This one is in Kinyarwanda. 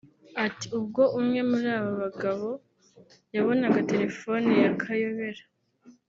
Ati “Ubwo umwe muri ba bagabo yabonaga telefone ya Kayobera